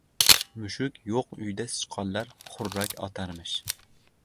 • Mushuk yo‘q uyda sichqonlar xurrak otarmish.